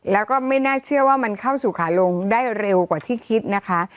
แล้วก็ไม่น่าเชื่อว่ามันเข้าสู่ขาลงได้เร็วกว่าที่คิดนะคะ